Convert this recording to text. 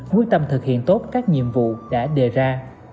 quyết tâm thực hiện tốt các nhiệm vụ đã đề ra